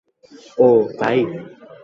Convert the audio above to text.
ও, তাই?